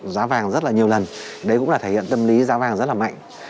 giá vàng rất là nhiều lần đấy cũng là thể hiện tâm lý giá vàng rất là mạnh